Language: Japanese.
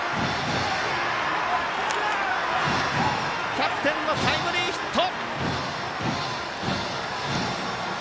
キャプテンのタイムリーヒット！